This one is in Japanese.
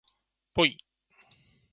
ぽい